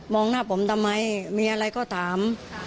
หน้าผมทำไมมีอะไรก็ถาม